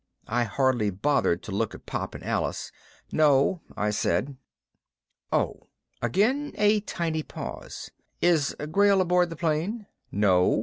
I hardly bothered to look at Pop and Alice. "No," I said. "Oh." Again a tiny pause. "Is Grayl aboard the plane?" "No."